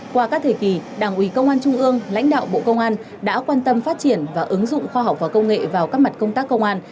qua các thời kỳ đảng ủy công an trung ương lãnh đạo bộ công an đã quan tâm phát triển và ứng dụng khoa học và công nghệ vào các mặt công tác công an